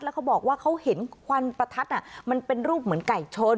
เขาบอกว่าเขาเห็นควันประทัดมันเป็นรูปเหมือนไก่ชน